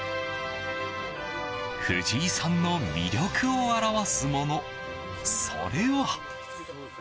藤井さんの魅力を表すものそれは。